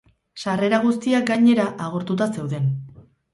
Sarrera guztiak, gainera, agortuta zeuden.